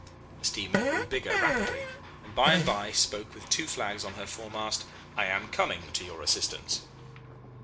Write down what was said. The steamer grew bigger rapidly, and by and by spoke with two flags on her foremast, 'I am coming to your assistance.